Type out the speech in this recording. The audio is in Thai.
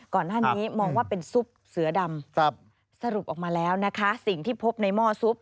ก่อนหน้านี้มองว่าเป็นซุปเสือดำสรุปออกมาแล้วนะคะสิ่งที่พบในหม้อซุป